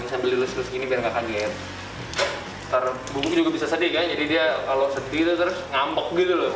bisa beli lus lus seperti ini agar tidak terkejut